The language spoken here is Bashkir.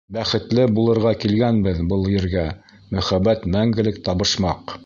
Бәхетле булырға килгәнбеҙ был ергә — Мөхәббәт — мәңгелек табышмаҡ.